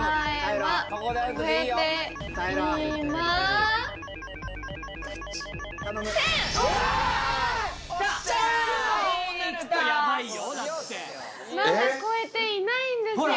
はいきたまだ超えていないんですよ